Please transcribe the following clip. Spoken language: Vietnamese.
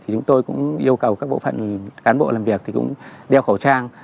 chúng tôi cũng yêu cầu các bộ phận cán bộ làm việc cũng đeo khẩu trang